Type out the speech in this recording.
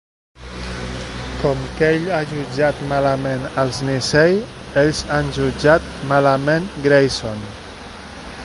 Com que ell ha jutjat malament els Nisei, ells han jutjat malament Grayson.